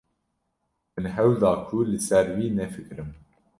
Min hewl da ku li ser wî nefikirim.